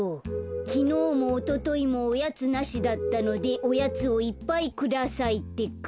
「きのうもおとといもおやつなしだったのでおやつをいっぱいくださいってか」。